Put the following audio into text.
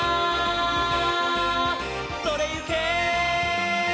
「それゆけ！」